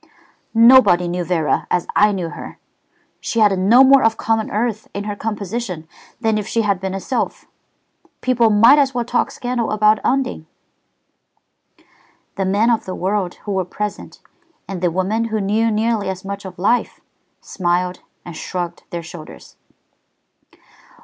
"Nobody knew Vera as I knew her. She had no more of common earth in her composition than if she had been a sylph. People might as well talk scandal about Undine." The men of the world who were present, and the women who knew nearly as much of life, smiled and shrugged their shoulders.